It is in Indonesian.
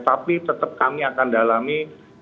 tapi tetap kami akan dalami